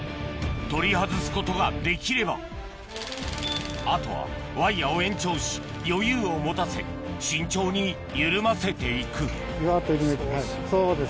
取り外すことができればあとはワイヤを延長し余裕を持たせ慎重に緩ませていくじわっと緩めるそうです